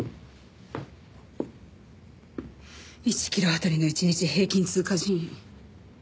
１キロ当たりの一日平均通過人員。